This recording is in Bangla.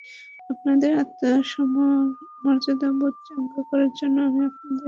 আপনাদের আত্মমর্যাদাবোধ চাঙ্গা করার জন্য আমি আপনাদেরকে এখানে আমন্ত্রণ জানিয়েছি।